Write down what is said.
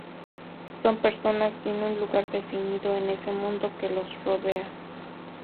Son personas sin un lugar definido en ese mundo que los rodea.